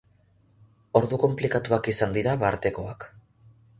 Ordu konplikatuak izan dira bartekoak.